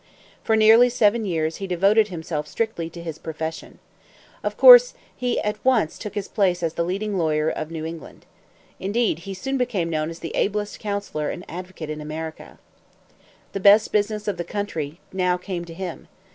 For nearly seven years he devoted himself strictly to his profession. Of course, he at once took his place as the leading lawyer of New England. Indeed, he soon became known as the ablest counsellor and advocate in America. The best business of the country now came to him.